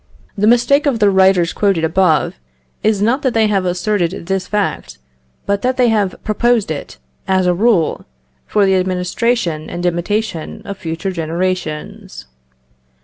The mistake of the writers quoted above, is not that they have asserted this fact, but that they have proposed it, as a rule, for the admiration and imitation of future generations.